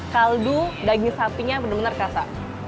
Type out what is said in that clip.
kaldu daging sapi nya benar benar kerasa